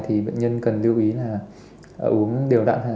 thì bệnh nhân cần lưu ý là uống đều đạn lâu dài